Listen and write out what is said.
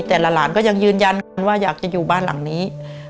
หลานก็ยังยืนยันว่าอยากจะอยู่บ้านหลังนี้